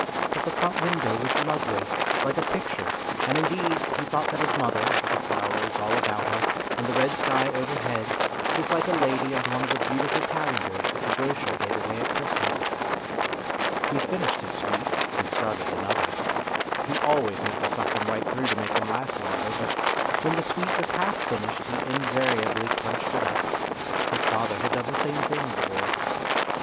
But the front window was lovely, like a picture, and, indeed, he thought that his mother, with the flowers A TRAGEDY IN LITTLE 89 all about her arid the red sky overhead, was like a lady on one of the beautiful calendars that the grocer gave away at Christmas He finished his sweet and started another ; he always meant to suck them right through to make them last longer, but when the sweet was half finished he invariably crunched it up. His father had done the same thing as a boy.